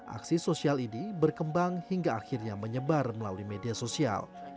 aksi sosial ini berkembang hingga akhirnya menyebar melalui media sosial